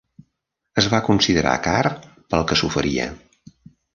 Es va considerar car pel que s'oferia.